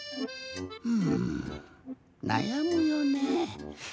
うんなやむよね。